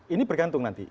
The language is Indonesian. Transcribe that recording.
ini bergantung nanti